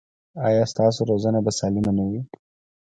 ایا ستاسو روزنه به سالمه نه وي؟